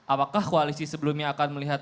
apakah koalisi sebelumnya akan melihat